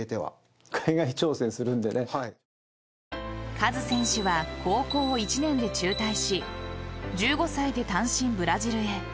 カズ選手は高校を１年で中退し１５歳で単身ブラジルへ。